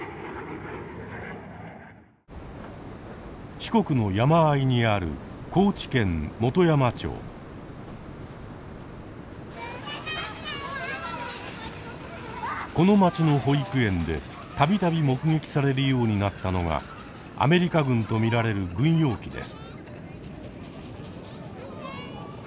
四国の山あいにあるこの町の保育園で度々目撃されるようになったのがアメリカ軍と見られる軍用機です。